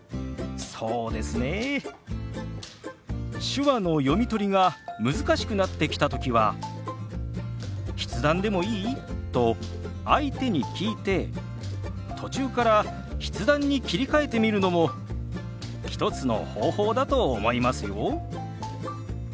手話の読み取りが難しくなってきた時は「筆談でもいい？」と相手に聞いて途中から筆談に切り替えてみるのも一つの方法だと思いますよ。